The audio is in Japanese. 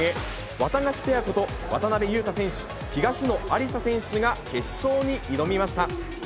ワタガシペアこと、渡辺勇大選手、東野有紗選手が決勝に挑みました。